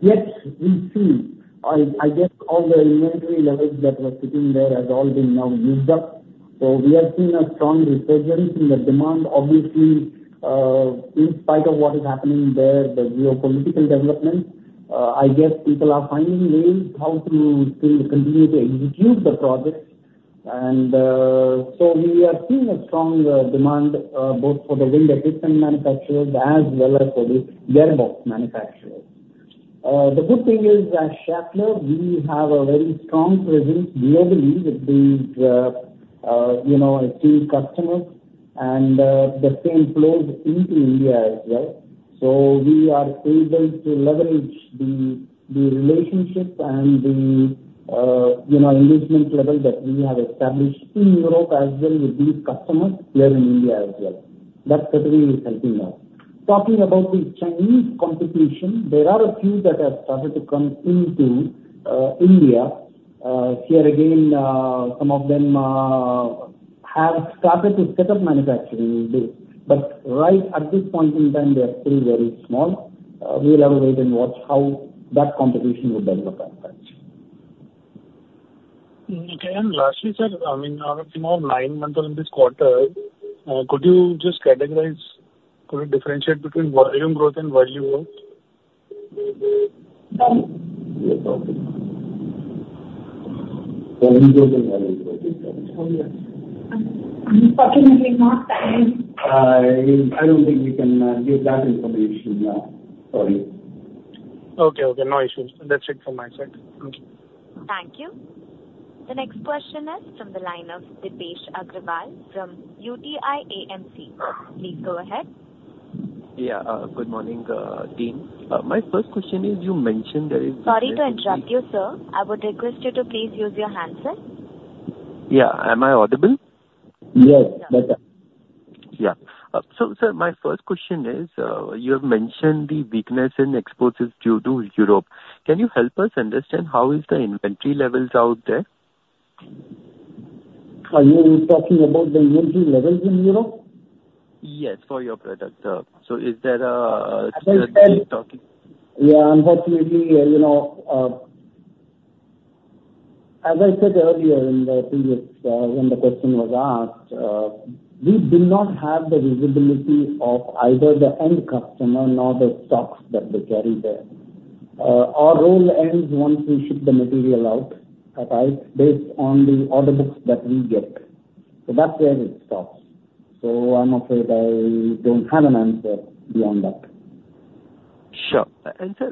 yes, we see. I guess all the inventory levels that were sitting there has all been now used up, so we are seeing a strong resurgence in the demand. Obviously, in spite of what is happening there, the geopolitical developments, I guess people are finding ways how to still continue to execute the projects, and so we are seeing a strong demand both for the wind equipment manufacturers as well as for the gearbox manufacturers. The good thing is, at Schaeffler, we have a very strong presence globally with these, you know, key customers and the same flows into India as well. So we are able to leverage the relationships and the, you know, engagement level that we have established in Europe as well with these customers here in India as well. That certainly is helping us. Talking about the Chinese competition, there are a few that have started to come into India. Here again, some of them have started to set up manufacturing, but right at this point in time, they are still very small. We will have to wait and watch how that competition would develop as such. Okay. And lastly, sir, I mean, out of more nine months or in this quarter, could you just categorize, could you differentiate between volume growth and value growth? I don't think we can give that information now. Sorry. Okay, okay, no issues. That's it from my side. Thank you. Thank you. The next question is from the line of Deepesh Agarwal from UTI AMC. Please go ahead. Yeah, good morning, team. My first question is, you mentioned there is- Sorry to interrupt you, sir. I would request you to please use your handset. Yeah. Am I audible? Yes, better. Yeah. So, sir, my first question is, you have mentioned the weakness in exports is due to Europe. Can you help us understand how is the inventory levels out there? Are you talking about the inventory levels in Europe? Yes, for your product, sir. So is there still? Yeah, unfortunately, you know, as I said earlier in the, when the question was asked, we do not have the visibility of either the end customer nor the stocks that they carry there. Our role ends once we ship the material out, alright? Based on the order books that we get. So that's where it stops. So I'm afraid I don't have an answer beyond that. Sure. And sir,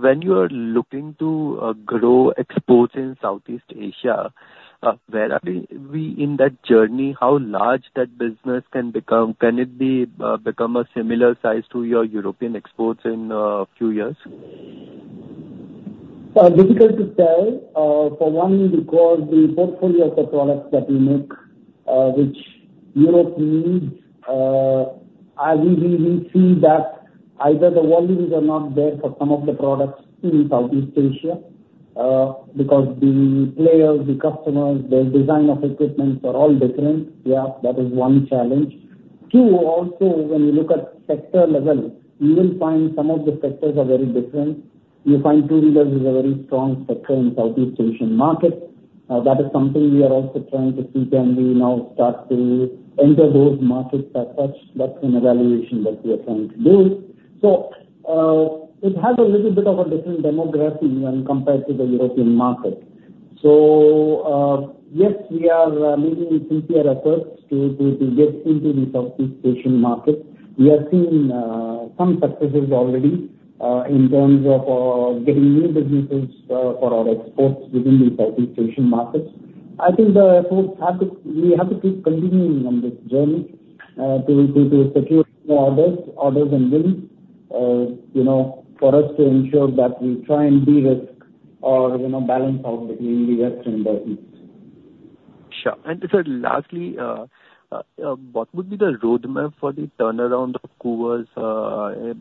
when you are looking to grow exports in Southeast Asia, where are we in that journey, how large that business can become? Can it become a similar size to your European exports in few years? Difficult to say. For one, because the portfolio of the products that we make, which Europe needs, we see that either the volumes are not there for some of the products in Southeast Asia, because the players, the customers, the design of equipment are all different. Yeah, that is one challenge. Two, also, when you look at sector level, you will find some of the sectors are very different. You'll find two-wheelers is a very strong sector in Southeast Asian market. That is something we are also trying to see, can we now start to enter those markets as such? That's an evaluation that we are trying to do. So, it has a little bit of a different demography when compared to the European market. So, yes, we are making sincere efforts to get into the Southeast Asian market. We have seen some successes already in terms of getting new businesses for our exports within the Southeast Asian markets. I think, so we have to keep continuing on this journey to secure more orders and wins. You know, for us to ensure that we try and de-risk or, you know, balance out between the risks and the needs. Sure. And sir, lastly, what would be the roadmap for the turnaround of Koovers?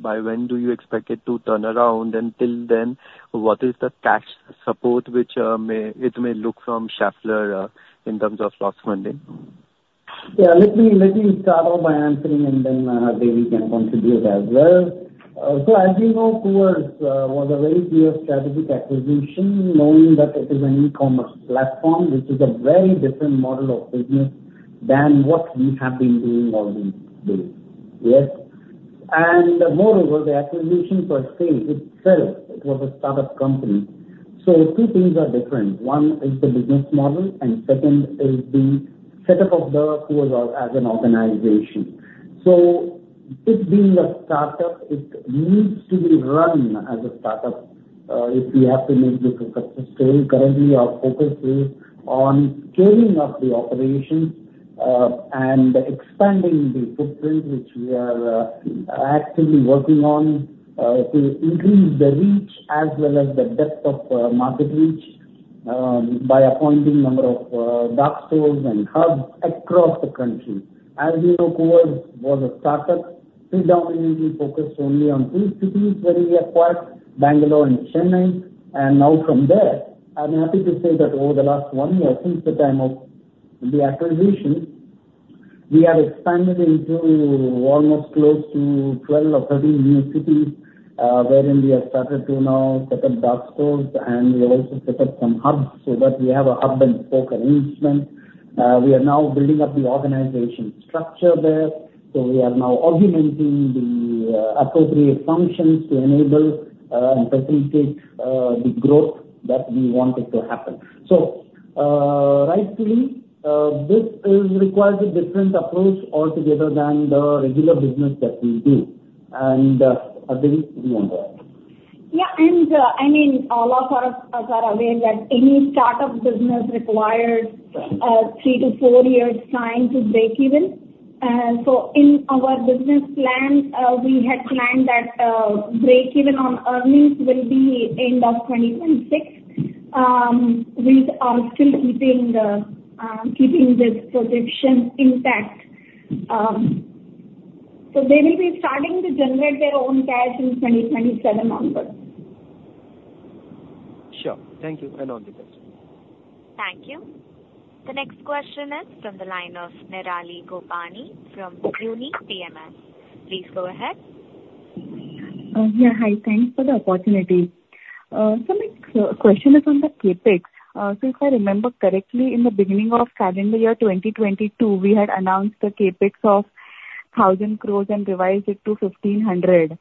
By when do you expect it to turn around? And till then, what is the cash support which it may look from Schaeffler, in terms of funds finding? Yeah, let me start off by answering and then Hardevi can contribute as well. So as you know, Koovers was a very clear strategic acquisition, knowing that it is an e-commerce platform, which is a very different model of business than what we have been doing all these days. Yes. And moreover, the acquisition per se itself was a startup company, so two things are different. One is the business model, and second is the setup of the Koovers as an organization. So this being a startup, it needs to be run as a startup if we have to make this successful. Currently, our focus is on scaling up the operations, and expanding the footprint, which we are, actively working on, to increase the reach as well as the depth of, market reach, by appointing number of, dark stores and hubs across the country. As you know, Koovers was a startup predominantly focused only on two cities, where we acquired Bangalore and Chennai, and now from there, I'm happy to say that over the last one year, since the time of the acquisition, we have expanded into almost close to 12 or 13 new cities, wherein we have started to now set up dark stores and we also set up some hubs, so that we have a hub and spoke arrangement. We are now building up the organization structure there. So we are now augmenting the appropriate functions to enable and facilitate the growth that we want it to happen. So rightly this is requires a different approach altogether than the regular business that we do. And Hardevi, you want to add? Yeah, and, I mean, all of us are aware that any startup business requires three to four years time to break even. So in our business plans, we had planned that break even on earnings will be end of 2026. We are still keeping this projection intact. So they will be starting to generate their own cash in 2027 onwards. Sure. Thank you, and all the best. Thank you. The next question is from the line of Nirali Gopani from Unique Asset Management. Please go ahead. Yeah, hi. Thanks for the opportunity. So my question is on the CapEx. So if I remember correctly, in the beginning of calendar year 2022, we had announced the CapEx of 1,000 crores and revised it to 1,500.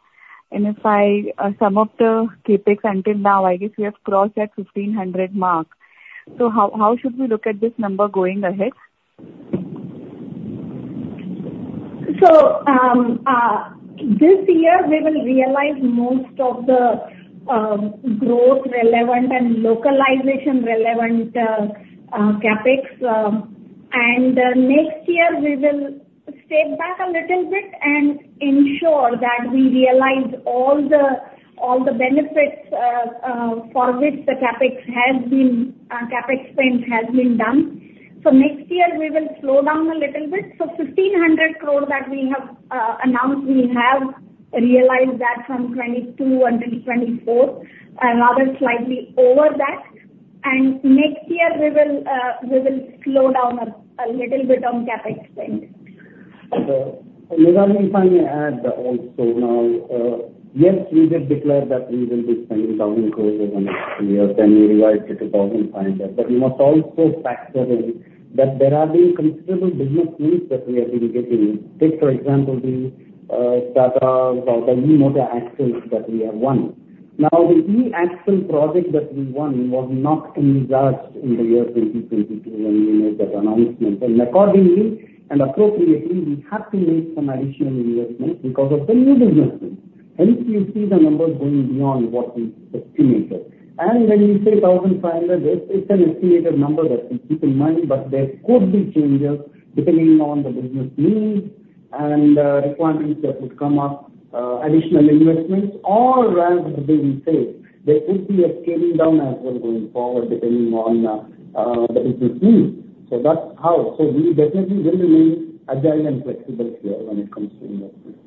And if I sum up the CapEx until now, I guess we have crossed that 1,500 mark. So how should we look at this number going ahead? So, this year we will realize most of the growth relevant and localization relevant CapEx. And next year we will step back a little bit and ensure that we realize all the benefits for which the CapEx spend has been done. So next year we will slow down a little bit. So 1,500 crores that we have announced, we have realized that from 2022 until 2024, and rather slightly over that. And next year we will slow down a little bit on CapEx spend. Nirali, if I may add also now, yes, we did declare that we will be spending 1,000 crores in the next year, then we revised to 2,500 crores. But we must also factor in that there are being considerable business needs that we have been getting. Take, for example, the Tata e-axles that we have won. Now, the e-axle project that we won was not in the year 2022, when we made that announcement. And accordingly and appropriately, we have to make some additional investment because of the new business. Hence, you see the numbers going beyond what we estimated. And when you say thousand five hundred, it's an estimated number that we keep in mind, but there could be changes depending on the business needs and requirements that would come up, additional investments, or as Hardevi said, there could be a scaling down as we're going forward, depending on the business needs. So that's how. So we definitely will remain agile and flexible here when it comes to investment.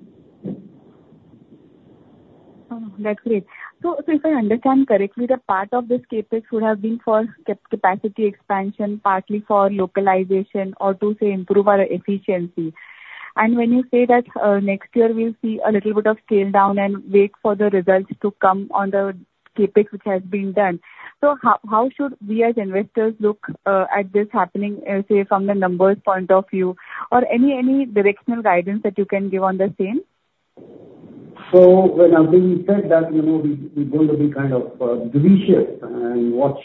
Oh, that's great. So if I understand correctly, the part of this CapEx would have been for capacity expansion, partly for localization or to say, improve our efficiency. And when you say that, next year we'll see a little bit of scale down and wait for the results to come on the CapEx, which has been done. So how should we as investors look at this happening, say, from the numbers point of view? Or any directional guidance that you can give on the same? So when Hardevi said that, you know, we, we're going to be kind of judicious and watch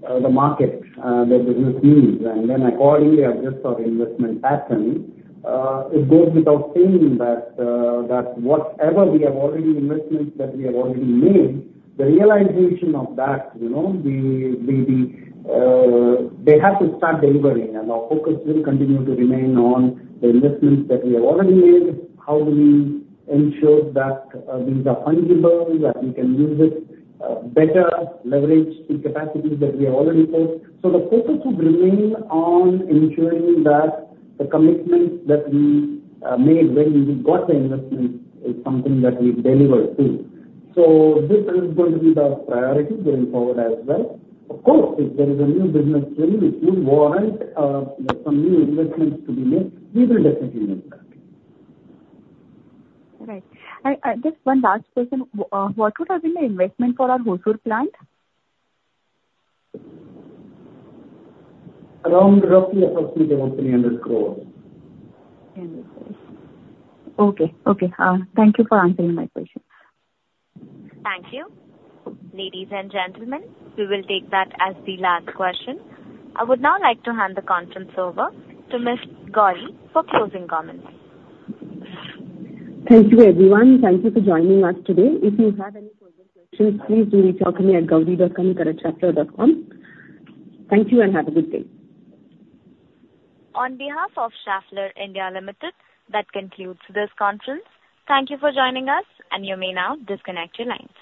the market, the business needs, and then accordingly adjust our investment pattern, it goes without saying that that whatever we have already investments that we have already made, the realization of that, you know, They have to start delivering, and our focus will continue to remain on the investments that we have already made. How do we ensure that these are fungible, that we can use it better, leverage the capacities that we already have? So the focus would remain on ensuring that the commitments that we made when we got the investment is something that we deliver to. So this is going to be the priority going forward as well. Of course, if there is a new business stream which will warrant some new investments to be made, we will definitely make that. Right. I just one last question. What would have been the investment for our Hosur plant? Around roughly approximately INR 300 crores. Okay. Okay. Thank you for answering my question. Thank you. Ladies and gentlemen, we will take that as the last question. I would now like to hand the conference over to Ms. Gawde for closing comments. Thank you, everyone. Thank you for joining us today. If you have any further questions, please reach out to me at gawde.gauri@schaeffler.com. Thank you and have a good day. On behalf of Schaeffler India Limited, that concludes this conference. Thank you for joining us, and you may now disconnect your lines.